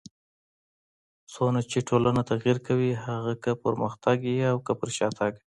څونه چي ټولنه تغير کوي؛ هغه که پرمختګ يي او که پر شاتګ.